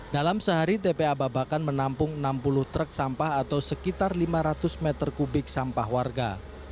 dalam sehari tpa babakan menampung enam puluh truk sampah atau sekitar lima ratus meter kubik sampah warga